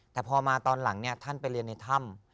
แต่พอมาตอนหลังท่านไปเรียนในถ้ำ